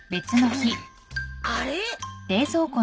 あれ？